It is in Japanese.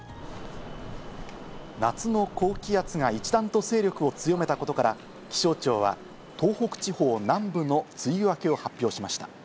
夏の高気圧が一段と勢力を強めたことから、気象庁は東北地方南部の梅雨明けを発表しました。